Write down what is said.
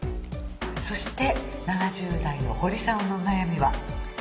そして７０代の堀さんのお悩みは？